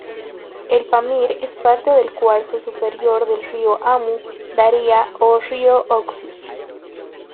El Pamir es parte del curso superior del río Amu Daria o "río Oxus".